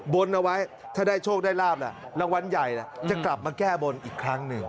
บนเอาไว้ถ้าได้โชคได้ลาบรางวัลใหญ่จะกลับมาแก้บนอีกครั้งหนึ่ง